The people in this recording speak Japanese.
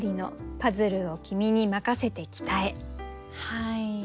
はい。